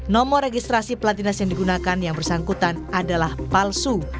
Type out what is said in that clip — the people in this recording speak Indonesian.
nomor registrasi pelantinas yang digunakan yang bersangkutan adalah palsu